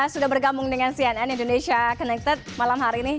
sudah bergabung dengan cnn indonesia connected malam hari ini